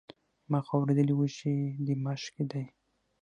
ما خو اورېدلي وو چې د مشق کې دی.